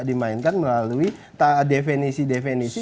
dimainkan melalui definisi definisi